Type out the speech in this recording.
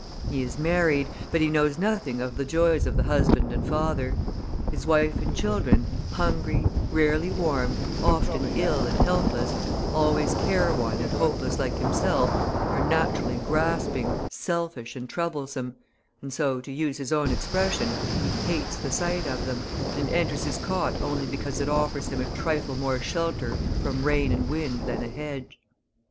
He is married, but he knows nothing of the joys of the husband and father. His wife and children, hungry, rarely warm, often ill and helpless, always careworn and hopeless like himself, are naturally grasping, selfish, and troublesome, and so, to use his own expression, he hates the sight of them, and enters his cot only because it offers him a trifle more shelter from rain and wind than a hedge.